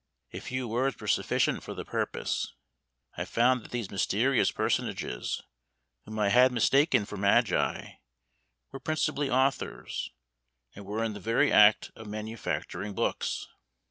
A few words were sufficient for the purpose. I found that these mysterious personages, whom I had mistaken for magi, were principally authors, and were in the very act of manufacturing books.